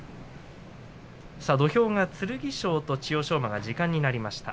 土俵が剣翔と千代翔馬時間になりました。